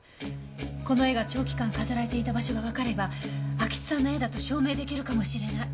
この絵が長期間飾られていた場所がわかれば安芸津さんの絵だと証明出来るかもしれない。